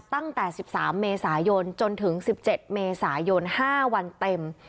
ตั้งแต่๑๓เมษายนจนถึง๑๗เมษายน๕วันเต็ม